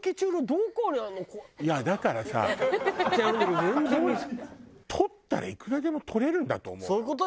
いやだからさ取ったらいくらでも取れるんだと思う。